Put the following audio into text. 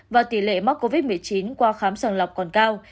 và tỷ lệ mắc covid một mươi chín qua khám sàng lọc còn cao